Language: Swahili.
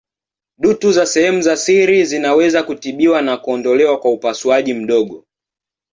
Dutu za sehemu za siri zinaweza kutibiwa na kuondolewa kwa upasuaji mdogo.